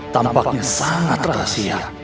tampaknya sangat rahasia